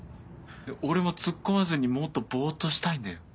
俺もツッコまずにもっとボっとしたいんだよ。